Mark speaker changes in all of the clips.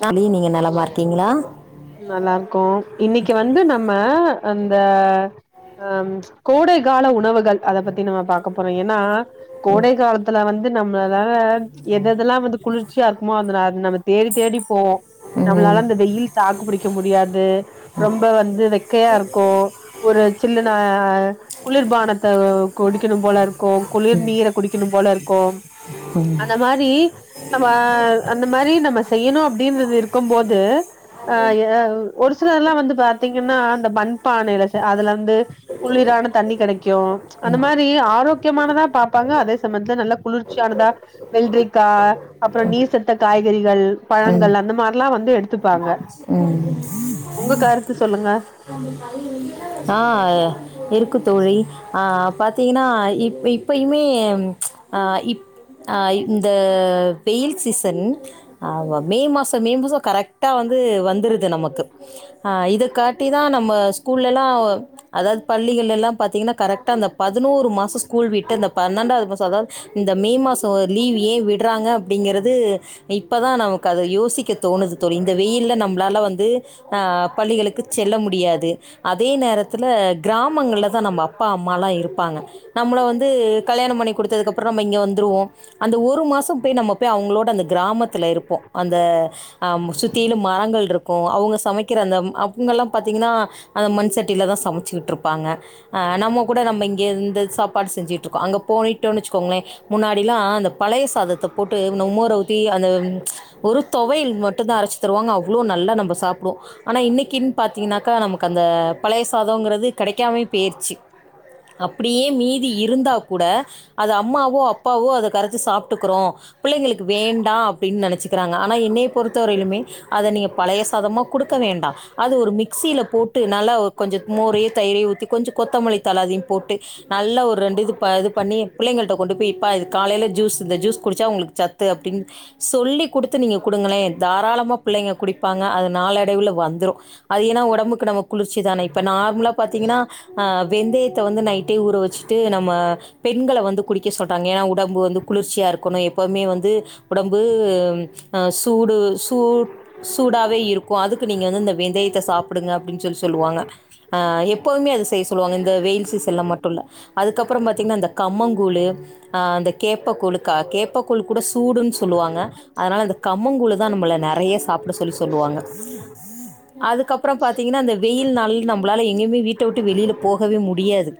Speaker 1: நா நீ நீங்க நலமா இருக்கீங்ளா
Speaker 2: நல்லா இருக்கோ இன்னைக்கு வந்து நம்ம அந்த ஆ கோடை கால உணவுகள் அத பத்தி நம்ம பாக்க போறோ ஏன்னா கோடை காலத்துல வந்து நம்மள எதுஎதெல்லா வந்து குளிர்ச்சியா இருக்குமோ அத நம்ம தேடி தேடி போவோ
Speaker 1: ம்
Speaker 2: நம்மளால அந்த வெயில் தாக்கு பிடிக்க முடியாது ரொம்ப வந்து வெக்கையா இருக்கும் ஒரு சில்லுன குளிர்பானத்த குடிக்கணும் போல இருக்கு குளிர் நீர குடிக்கணும் போல இருக்கும் அந்த மாரி தீ நம்ம அந்த மாரி நம்ம செய்யணும் அப்டினு இருக்கும் போது அ எ ஒரு சிலர் எல்லா வந்து பாத்தீங்கன்னா இந்த மண்பானையில அதுல வந்து குளிரான தண்ணி கெடைக்கு அந்த மாரி ஆரோக் யமானதா பாப்பாங்க அதே சமயத்துல நல்ல குளிர்ச்சியானதா வெள்ரிக்கா அப்றோ நீர் சத்த காய்கறிகள்,
Speaker 1: ம்
Speaker 2: பழங்கள் அந்த மாரில்லாஜ வந்து எடுத்துப்பாங்க
Speaker 1: [unintelligible]
Speaker 2: ஒங்க கார் த்து சொல்லுங்க
Speaker 1: [unintelligible] ஆ இருக்கு தோழி ஆ பாத்தீங்கன்னா இப்ப இப்பயுமே ஆ இப் அ இந்த வெயில் சீசன் ஆமா மே மாசோ மே மாசோ கரெக்டா வந்து வந்துருது நமக்கு ஆ இது காட்டி தா நம்ம ஸ்கூல்லல்லா அதாவது பள்ளிகள் எல்லா பாத்தீங்கன்னா அந்த பதினோரு மாசோ ஸ்கூல் விட்டு அந்த பன்னெண்டாவது மாஷோ இந்த மே மாசோ லீவ் ஏ விடுறாங்க அப்டிங்றது இப்பதா நமக்கு அத யோசிக்க தோணுது தோழி இந்த வெயில்ல நம்மளால வந்து ஆ பள்ளிகளுக்கு செல்ல முடியாது அதே நேரத்துல கிராமங்கள்ல தா நம்ம அப்பா அம்மாலா இருப்பாங்க நம்மளள வந்து கல்யாணோ பண்ணி குடுத்ததுக்கப்புறோ நம்ம இங்க வந்துடுவோ அந்த ஒரு மாசோ போய் நம்ம போய் அவுங்களோட அந்த கிராமத்துல இருப்போ அந்த அம் சுத்திலு மரங்கள் இருக்கு அவங்க சமைக்கிற அந்த அவங்கல்லா பாத்தீங்கன்னா அந்த மண்சட்டிலதா சமைச்சுட்ருப்பாங்க அ நம்ம கூட நம்ம இங்க இந்த சாப்பாடு செஞ்சுட்டுருக்கோ அங்க போனிட்டோ வச்சுக்கோங்களே முன்னாடிலா அந்த பழைய சாதத்த போட்டு ங்குன மோர ஊத்தி அந்த ஒரு தொவையல் மட்டுந்தா அரச்சி தருவாங்க அவ்ளோ நல்லா நம்ப சாப்டுவோ ஆனா இன்னைக்குன் பாத்தீங்னாக்கா நமக் கந்த பழைய சாதோங்கிறது கெடைக்காம போயிருச்சு அப்டியே மீதி இருந்தா கூட அது அம்மாவோ அப்பாவோ அத கரச்சி சாப்ட்டுக்குறோ புள்ளைங்களுக்கு வேண்டா அப்டின்னு நெனைச்சிக்கிறாங்க ஆனா என்னைய பொறுத்த வரையிலுமே அத நீங்க பழைய சாதமா குடுக்க வேண்டா அது ஒரு மிக்சில போட் ட்டு நல்லா கொஞ்சோ மோரையு, தயிரையு ஊத்தி கொஞ்சோ கொத்தமல்லித்தல அதையு போட்டு நல்ல ஒரு ரெண்டு இது ப இது பண்ணி பிள்ளைங்கள்ட்ட கொண்டு போய் ப்பா இது காலைல ஜூஸ் இந்த ஜூஸ் குடிச்சா உங்களுக்கு சத்து அப்டின்னு சொல்லி குடுத்து நீங்க குடுங்களே தாராளமா பிள்ளைங்க குடிப்பாங்க அது நாளடைவுல வந்துரு அது ஏனா ஒடம்புக்கு நம்ம குளிர்ச்சிதானே இப்ப நார்மலா பாத்தீங்கன்னா ஆ வெந்தயத்த வந்து நைட்டே ஊற வச்சுட்டு நம்ம பெண்கள வந்து குடிக்க சொல்றாங்க ஏனா உடம்பு வந்து குளிர்ச்சியா இருக்கணு எப்போமே வந்து ஒடம்பு அ சூடு சூ சூடாவே இருக்கு அதுக்கு நீங்க வந்து இந்த வெந்தயத்த சாப்புடுங்க அப்டின் சொல்லி சொல்லுவாங்க ஆ எப்போதுமே அத செய்ய சொல்லுவாங்க இந்த வெயில் சீசன்ல மட்டு இல்ல அதுக்கப்புறோ பாத்தீங்கன்னா இந்த கம்மங்கூழ், ஆ அந்த கேப்பக்கூழு க கேப்பக்கூழ் கூட சூடுன் சொல்லுவாங்க அதனால அந்த கம்மங்கூழ்தா நம்மள நெறைய சாப்ட சொல்லி சொல்லுவாங்க அதுக்கப்புறோ பாத் தீங்கன்னா இந்த வெயில்னாலே நம்மளால எங்கயுமே வீட்ட விட்டு வெளில போகவே முடியாது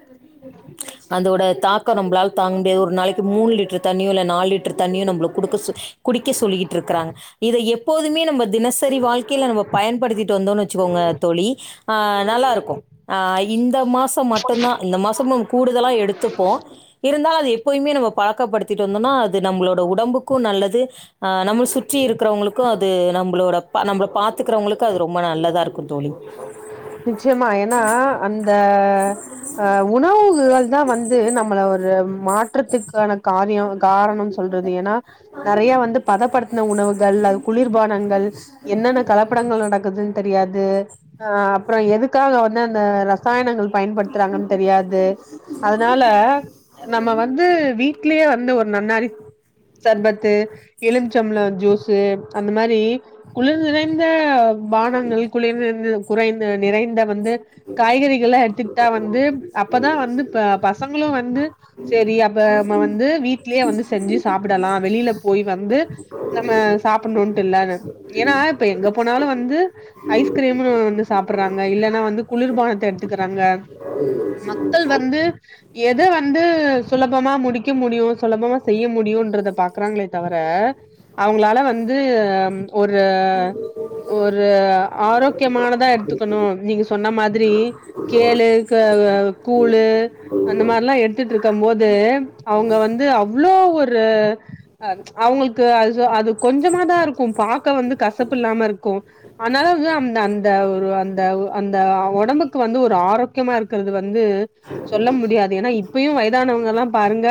Speaker 1: அந்தோட தாக்கோ நம்ளால தாங்க முடியாது ஒரு நாளைக்கு மூணு லிட்டர் தண்ணியு இல்ல நாலு லிட் ட்ரு தண்ணியு நம்மள குடுக்க சொ குடிக்க சொல்லிகிட்டுருக்கிறாங்க இத எப்போதுமே நம்ம தினசரி வாழ்க்கைல நம்ம பயன்படுத்திட்டு வந்தோன்னு வச்சுக்கோங்க தோழி ஆ நல்லாருக்கு ஆ இந்த மாசோ மட்டுந்தா இந்த மாசமோ கூடுதலா எடுத்துப்போ இருந்தாலு அது எப்பைமே நம்ம பழக்கப்படுத்திட்டுருந்தோனா அது நம்மளோட உடம்புக்கு நல்லது ஆ நம்ம சுற்றி இருக்கிறவங்களுக்கு அது நம்பளோட பா நம்பள பாத்துக்கிறவங்களுக்கு அது ரொம்ப நல்லதா இருக்கும் தோழி [unintelligible]
Speaker 2: நிச்சயமா ஏனா அந்த அ உணவுகள் தா வந்து நம்மள ஒரு மாற்றத்துக்கான காரியாவு காரணம் சொல்றது ஏனா நெறைய வந்து பதப்படுத்துன உணவு கள் அ குளிர்பானங்கள் என்னென்ன கலப்படங்கள் நடக்குதுன் தெரியாது ஆ அப்றோ எதுக்காக வந்து அந்த ரசாயனங்கள் பயன்படுத்துறாங்கன் தெரியாது அதனால நம்ம வந்து வீட்லே வந்து ஒரு நன்னாரி சர்பத்து எலும்ச்ச பழோ ஜூஸ் அந்த மாரி குளிர் நிறைந்த பானங்களை குளிர் நிறைந்து குறைந்து நிறைந்த வந்து காய்கறிகளா எடுத்துக்கிட்டா வந்து அப்பதா வந்து ப பச சங்களு வந்து சேரி அப்ப நம்ம வந்து வீட் ட்லே வந்து செஞ்சு சாப்புடலா வெளில போய் வந்து நம்ம சாப்பணுன்ட்டு இல்ல அது ஏனா இப்ப எங்க போனாலு வந்து ஐஸ்கிரீம்னு வந்து சாப்புடுறாங்க இல்லன்னா வந்து குளிர்பானத்த எடுத்துக்கறாங்க மக்கள் வந்து எது வந்து சுலபமா முடிக்க முடியு சுலபமா செய்ய முடியுன்றத பாக்குறாங்களே தவர அவுங்களால வந்து ஒரு ஒரு ஆரோக்யமானதா எட்த் நீங்க சொன்ன மாதிரி கேளு க அ கூளு அந்த மார்ல்லா எடுத்துட்ருக்கம் போது அவுங்க வந்து அவ்ளோ ஒரு அ அவுங்குள்க்கு அது சோ அது கொஞ்சமாதாருக் கும் பாக்க வந்து கசப்பு இல்லாமருக்கும் அதனால இது அந்த அந்த ஒரு அந்தவ் அந்த ஒடம்புக்கு வந்து ஒரு ஆரோக் க்யமா இருக்குறது வந்து சொல்ல முடியாது ஏனா இப்பயு வய்தானவுங்கல்லா பாருங்க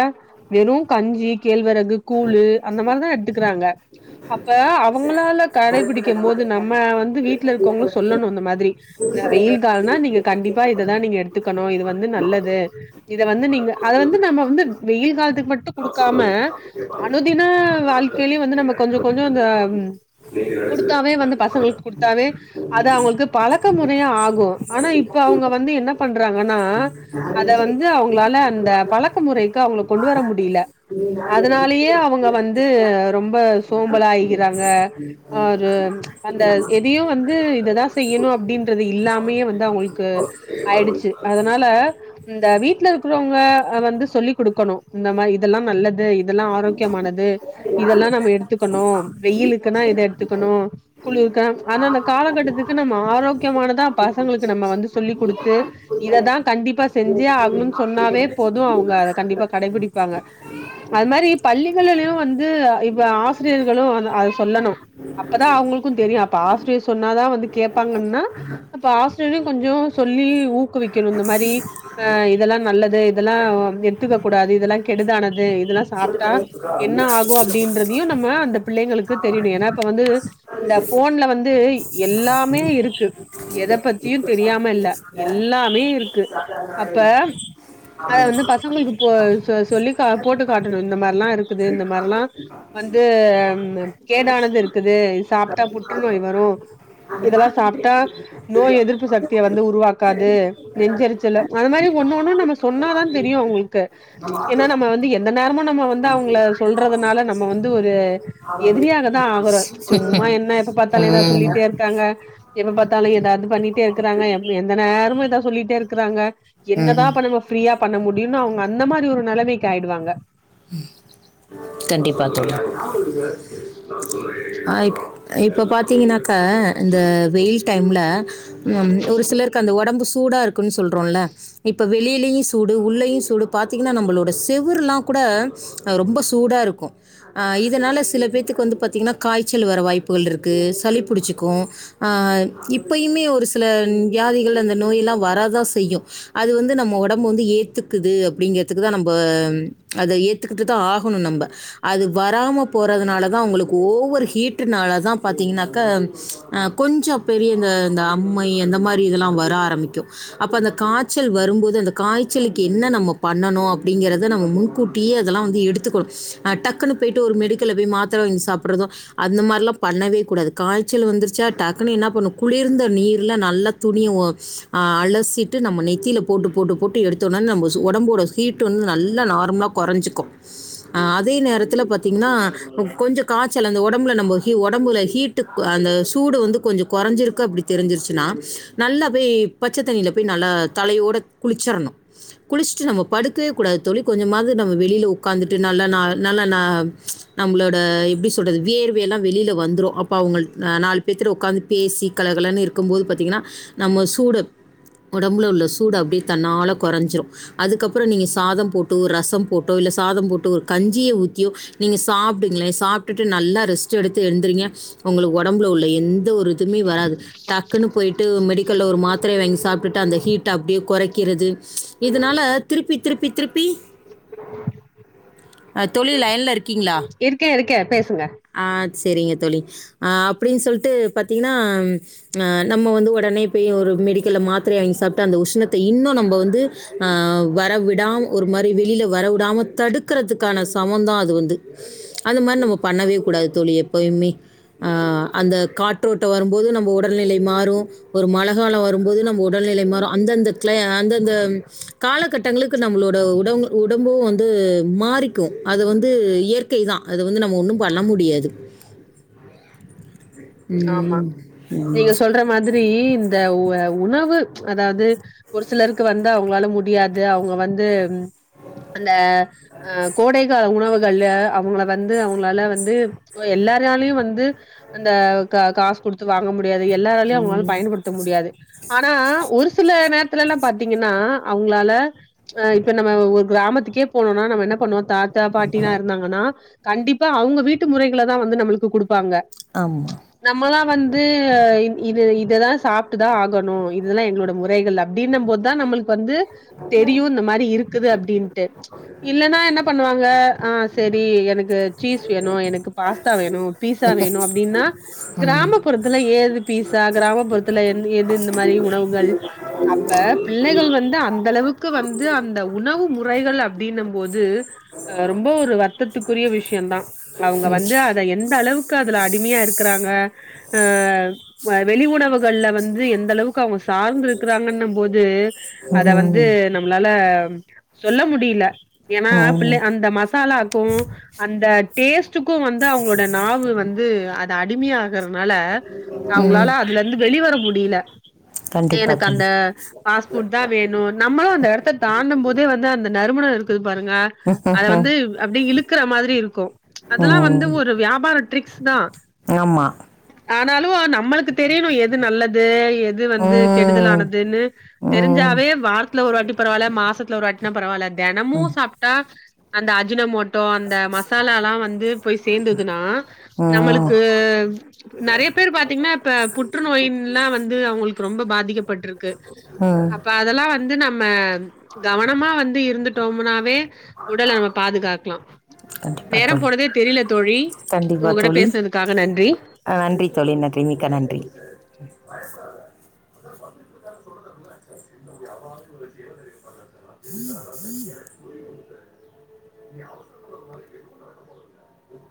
Speaker 2: வெறும் கஞ்சி கேழ்வரகு கூழு அந்த மாரிதா எட்த்துக்குறாங்க அப்ப அவுங்களால கடைபிடிக்கமோது நம்ம வந்து வீட்ல இருக்கவ்ங்ளு சொல்லணு அந்த மாதிரி ல வெயில் கால்னா நீங்க கண்டிப்பா இதுதா நீங்க எட்த்துக்கணோ இது வந்து நல்லது இத வந்து நீங்க அத வந்து நம்ம வந்து வெயில் காலத்துக்கு மட்டு குடுக்காம அனுதின வாழ்க்கைலியு வந்து நம்ப கொஞ்சோ கொஞ்சோ அந்த குடுத்தாவே வந்து பசங்கள்க்கு குடுத்தாவே அது அவுங்குள்க்குப் பழக்க முறயா ஆகு ஆனா இப்ப அவுங்க வந்து என்ன பண்றாங்கனா அத வந்து அவுங்ளால அந்த பழக்க முறைக்கு அவ்ங்ள கொண்டு வர முடில அதனாலயே அவுங்க வந்து ரொம்ப சோம்பலா ஆய்கிறாங்க ஆ து அந்த எதியே வந்து இதுதா செய்யணு அப்டின்றது இல்லாமியே வந்து அவுங்குளுக்கு ஆய்டுச்சு அதனால இந்த வீட்லருக்றவ்ங்க வந்து சொல்லி குடுக்கணு இந்த மார் இதெல்லாம் நல்லது இதெல்லா ஆரோக்யமானது இதல்லா நம்ம எடுத்துக்கணு வெயிலுக்குனா இத எட்த்துக்கணு குளூர்க்கா அந்தந்த காலகட்டத்துக் து நம்ம ஆரோக்யமானதா பசங்ளுக்கு நம்ம வந்து சொல்லி குடுத்து இததா கண்டிப்பா செஞ்சே ஆகணுனா சொன்னாவே போதும் அவுங்க அத கண்டிப்பா கடைபிடிப்பாங்க அது மாரி பள்ளிகளலயு வந்து இப்ப ஆசிரியர்களு அத சொல்லணு அப்பதா அவுங்குள்க்கு தெரியு அப்ப ஆஸ்ரியர் சொன்னாதா வந்து கேப்பாங்கன்னா அப்ப ஆஸ்ரியரயு கொஞ்சோ சொல்லி ஊக்குவிக்கணு இந்த மாரி ஆ இதெல்லா நல்லது இதெல்லா எட்த்துக்க கூடாது இதெல்லா கெடுதானது இதுலா சாப் ட்டா என்ன ஆகு அப்டின்றது தியு நம்ம அந்த பிள்ளைங்களுக்கு தெரியணு ஏனா இப்ப வந்து இந்த ஃபோன்ல வந்து எல்லாம் மே இருக்கு எத பத்தியு தெரியாம இல்ல எல்லாமே இருக்கு அப்ப அத வந்து பசங்கள்க்கு போ சொ சொல்லி போட்டு காட்டணு இந்த மார்ல்லா இருக்குது இந்த மார்ல்லா வந்து ம் கேடானது இருக்குது இத் சாப்ட்டா புற்றுநோய் வரும் இதல்லா சாப்ட்டா நோய் எதிர்ப்பு சக்திய வந்து உருவாக்காது நெஞ்செரிச்சல்ல அந்த மாரி ஒண்ணு ஒண்ணும் நம்ம சொன்னாதா தெரியு அவுங்குளுக்கு ஏனா நம்ம வந்து எந்த நேரமு நம்ம வந்து அவுங்ள சொல்றதுனால நம்ம வந்து ஒரு எதிரியாக தா ஆகுறோ சும்மா என்ன எப்ப பாத்தாலு எதாத்
Speaker 1: ம்,
Speaker 2: சொல்லிட்டேருக் க்காங்க எப்ப பாத்தாலு எதாது பண்ணிட்டே இருக்குறாங்க எந்த நேரமு இதா சொல்லிட்டேருக்குறாங்க
Speaker 1: ம்.
Speaker 2: என்னதா அப்ப நம்ம ஃப்ரீயா பண்ண முடியுன்னு அவுங்க அந்த மாரி ஒரு நெலமைக்கு ஆய்டுவாங்க
Speaker 1: ம் கண்டிப்பா தோழி அ இப் இப்ப பாத்திங்கனாக்க இந்த வெயில் டைம்ல் ம் ஒரு சிலர் க அந்த ஒடம்பு சூடாருக்குன் சொல்றோல்ல இப்ப வெளிலயு சூடு உள்ளயு சூடு பாத்திங்கன்னா நம்பளோட செவுர்ல்லாம் குட ரொம்ப சூடாருக்கும் ஆ இதனால சில பேத்துக்கு வந்து பாத்த்ங்ன்னா காய்ச்சல் வர வாய்ப்புகள்ருக்கு சளி புடிச்சிக்கும் ஆ இப்பயுமே ஒரு சில வியாதிகள் அந்த நோய் எல்லா வரதா செய்யு அது வந்து நம்ம உடம்பு வந்து ஏத்துக்குது அப்டிங்கதுக்குதா நம்ப அத ஏத்துக்கிட்டு தா ஆகணு நம்ப அது வராம போறதுனாலதா உங்களுக்கு ஓவர் ஹீடடுனாலதா பாத்தீங்கன்னாக்க அ கொஞ்ச பெரியங்க இந்த இந்த அம்மை அந்த மாரி இதலா வர ஆரமிக்கூ அப்ப அந்த காச்சல் வரும்போது அந்த காய்ச்சலுக்கு என்ன நம்ம பண்ணனு அப்டிங்கறத நம்ம மூ ன்கூட்டியே அதெல்லா வந்து எடுத்துக்கணு அ டக்குனு போயிட்டு ஒரு மெடிக்கல்ல போய் மாத்ர வாங்கி சாப்ட்றதோ அந்த மாரிலா பண்ணவே கூடாது காய்ச்சல் வந்துருச்சா டக்குனு என்ன பண்ணு குளிர்ந்த நீர்ல நல்லா துணிய ஒ அ அலசிட்டு நம்ம நெத்தியில போட்டு போட்டு போட்டு எடுத்தோனே நம்ம சு ஒடம்போட ஹீட்டு வந்து நல்லா நார்மலா கொறஞ்சிக்கூ ஆ அதே நேரத்துல பாத்தீங்கன்னா ம் கொஞ்சோ காச்சல் அந்த ஒடம்புல நம்ம ஹீ ஒடம்போல ஹீட்டுக் அந்த சூடு வந்து கொஞ்ச கொறஞ்சிருக்கு அப்டி தெரிஞ்சிருச்சுன்னா நல்லா பேய் பச்ச தண்ணியில பேய் நல்லா தலையோட குளிச்சரணு குளிச்சுட்டு நம்ம படுக்கவே கூடாது தொழி கொஞ்சமாது நம்ம வெளில உக்காந்துட்டு நல்லா நா நல்லா நா நம்மளோட எப்டி சொல்றது வேர்வைலா வெளில வந்துரு அப்போ அவங்கள் ந நாலு பேத்துட்ட உக்காந்து பேசி கலகலன்னு இருக்கும்போது பாத்தீங்கன்னா நம்ம சூடு உடம்புல உள்ள சூடு அப்டியே தன்னால கொறஞ்சிரு அதுக்கப்புறோ நீங்க சாதம் போட்டு ரசம் போட்டோ இல்ல சாதம் போட்டோ ஒரு கஞ்சிய ஊத்தியோ நீங்க சாப்டுங்களே சாப்ட்டுட்டு நல்லா ரெஸ்ட் எடுத்து எந்திரிங்க உங்களுக்கு ஒடம்புல உள்ள எந்த ஒரு இதுமே வராது டக்குனு போய்ட்டு மெடிக்கல்ல ஒரு மாத்திரய வாங்கி சாப்ட்டுட்டு அந்த ஹீட்ட அப்டியே கொறக்கிறது இதுனால திருப்பி திருப்பி திருப்பி
Speaker 2: [inaudible]
Speaker 1: அ தோழி லைன்ல இருக்கீங்ளா
Speaker 2: இருக்கே இருக்கே பேசுங்க
Speaker 1: ஆ செரிங்க தோழி அ அப்டின் சொல்ட்டு பாத்தீங்கன்னா ஆ நம்ம வந்து உடனே போய் ஒரு மெடிக்கல்ல மாத்திரை வாங்கி சாப்ட்டு அந்த உஷ்ணத்த இன்னு நம்ப வந்து அ வரவிடாம் ஒரு மாரி வெளில வர வுடாம தடுக்குறதுக்கான சமோந்தா அது வந்து அந்த மார் நம்ம பண்ணவே கூடாது தோழி எப்பயுமே அந்த காற்றோட்ட வரும்போது நம்ம உடல்நிலை மாறூ ஒரு மழகால வரும்போது நம்ம உடல்நிலை மாற க்ள அந்தந்த காலகட்டங்களுக்கு நம்மளோட உடவ் உடம்பூ வந்து மாறிக்கூ அத வந்து இயற் கை தா அத வந்து நம்ம ஒன்னூ பண்ண முடியாது
Speaker 2: ஆமா
Speaker 1: ம்.
Speaker 2: நீங்க
Speaker 1: ம்.
Speaker 2: சொல்ற மாதிரி இந்த வ உணவு அதாவ்து ஒரு சிலருக்கு வந்து அவங்களால முடியாது அவங்க வந்து ம் அந்த அ கோடைக உணவுகள்ல அவுங்கள வந்து அவுங்களால வந்து அ எல்லாரையாலயு வந்து அந்த க காசு குடுத்து வாங்க முடியாது எல்லாராலையு அவங்களால பயன்படு த்த முடியாது ஆனா ஒரு சில நேரத்துலலா பாத்தீங்கன்னா அவுங்களால ஆ இப்ப நம்ம ஒரு கிராமத்துக்கே போனோனா நம்ம என்ன பண்ணுவோ தாத்தா பாட்டிலா இருந்தாங்கன்னா கண்டிப்பா அவங்க வீட்டு முறைகள தா வந்து நம்மளுக்கு குடுப்பாங்க
Speaker 1: ஆமா
Speaker 2: நம்மளா வந்து இது இததா சாப்ட்டுதா ஆகணு இதுலா எங்களோட முறைகள் அப் டின்னம் போதா நம்மளு வந்து தெரியு இந்த மாரி இருக்குது அப்டின்ட்டு இல்லன்னா என்ன பண்ணுவாங்க ஆ செரி எனக்கு சீஸ் வேணு எனக்கு பாஸ்தா வேணு பீஸா வேணு அப்டின்னா கிராம ப்புறத்துல ஏது பீஸா கிராமப்புறத்துல எந் எது இந்த மாரி உணவுகள் அப்ப பிள்ளைகள் வந்து அந்த அளவுக்கு வந்து அந்த உணவு முறைகள் அப்டின்னும் போது ரொம்ப ஒரு வருத்தத்துக்குரிய விஷ்யந்தா அவுங்க வந்து அத எந்த அளவுக்கு அதுல அடிமையா இருக்கறாங்க அ வெளி உணவுகள்ல வந்து எந்த அளவுக்கு அவுங்க சு சார்ந்து இருக்கிறாங்கன்னும் போது அத வந்து
Speaker 1: ம்.
Speaker 2: நம் நம்ளால சொல்ல முடியல ஏனா பிள்ள
Speaker 1: ம்.
Speaker 2: அந்த மசாலாக்கு அந்த டேஸ்ட்டுக்கு வந்து அவங்களோட நாவு வந்து அது அடிமையா இருக்கறனால
Speaker 1: ம்.
Speaker 2: அவுங்களால அதுல இருந்து வெளிவர முடியல
Speaker 1: கண்டிப்பா
Speaker 2: எனக்கு
Speaker 1: தோழி.
Speaker 2: அந்த [unintelligible] பாஸ்போர்ட்தா வேணு நம்மளு அந்த எடத்த தாண்டும் போதே வந்து அந்த நறுமணம் இருக்குது பாருங்க அது
Speaker 1: ம்ஹ்ஹ்ம்.
Speaker 2: வந்து அப்டியே இழுக்குற மாதிரி இருக்கு அதெல்லா வந்து
Speaker 1: ம்.
Speaker 2: ஒரு வியாபார ட்ரிக்ஸ் தா
Speaker 1: ஆமா
Speaker 2: ஆனாலு நம்மளுக்கு தெரியணு எது நல்லது எது வந்து
Speaker 1: ம்.
Speaker 2: கெடுதலானதுன்னு
Speaker 1: ம்.
Speaker 2: தெரிஞ்சாவே வார்த் த்துலா ஒரு வாட்டி பரவாயில்ல மாசத்துல ஒரு வாட்டீனா பரவாயில்ல தினமு சாப்ட்டா அந்த அஜினோமோட் டோ அந்த மசாலல்லா வந்து போய் சேந்ததுன்னா
Speaker 1: ம்.
Speaker 2: நம்மளுக்கு நெறையா பேர் பாத்தீங்கன்னா இப்ப புற்றுநோயின்ல்லா வந்து அவங்களுக்கு ரொம்ப பாதிக்கப்பட்டிருக்கு
Speaker 1: ம்
Speaker 2: அதெல்லா வந்து நம்ம கவனமா வந்து இருந்துட்டோம்னாவே உடல நம்ம பாதுகாக்லா
Speaker 1: கண்டிப்பா
Speaker 2: நேரம்
Speaker 1: தோழி.
Speaker 2: போனதே தெரியல தோழி உங்ககூட பேசனதுக்காக நன்றி
Speaker 1: ஆ நன்றி தோழி நன்றி மிக்கா நன்றி